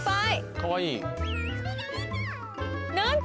かわいい！